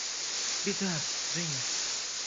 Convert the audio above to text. – Беда, Женя!